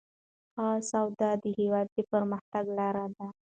ښه سواد د هیواد د پرمختګ لاره ده.